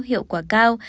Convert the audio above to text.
hiệu quả cao